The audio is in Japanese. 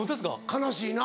悲しいな。